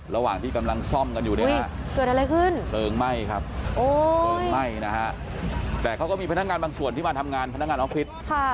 ระหว่างที่กำลังซ่อมกันอยู่เนี่ยนะฮะเกิดอะไรขึ้นเพลิงไหม้ครับเพลิงไหม้นะฮะแต่เขาก็มีพนักงานบางส่วนที่มาทำงานพนักงานออฟฟิศ